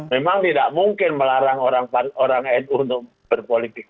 memang tidak mungkin melarang orang nu untuk berpolitik